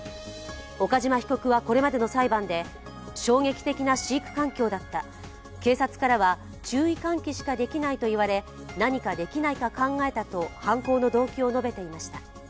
岡島被告はこれまでの裁判で、衝撃的な飼育環境だった警察からは注意喚起しかできないといわれ、何かできないかと考えたと犯行の動機を述べていました。